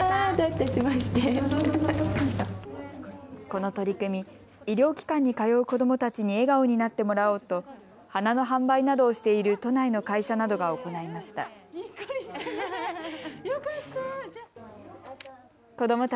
この取り組み医療機関に通う子どもたちに笑顔になってもらおうと花の販売などをしている都内の会社などが行いました。